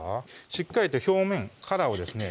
しっかりと表面殻をですね